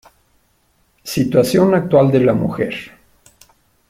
Situación actual de la mujer